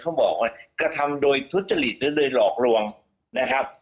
เขาบอกว่ากระทำโดยโทษฟิสต์หรือโลกรวงนะครับ